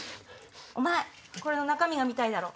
お前中身が見たいだろ。